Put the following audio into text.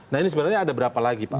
nah ini sebenarnya ada berapa lagi pak